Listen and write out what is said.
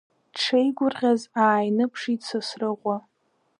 Дшеигәырӷьаз ааиныԥшит Сасрыҟәа.